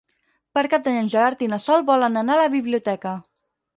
Per Cap d'Any en Gerard i na Sol volen anar a la biblioteca.